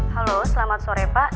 halo selamat sore pak